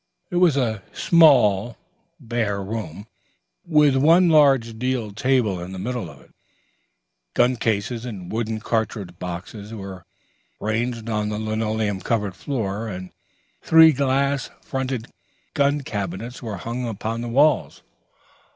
It was a small bare room, with one large deal table in the middle of it. Gun cases and wooden cartridge boxes were ranged on the linoleum covered floor, and three glass fronted gun cabinets were hung upon the walls.